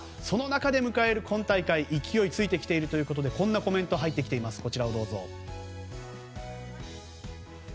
その中で迎える今大会勢いがついているということでこんなコメントが入ってきています。